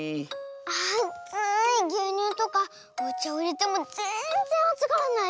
あついぎゅうにゅうとかおちゃをいれてもぜんぜんあつがらないし。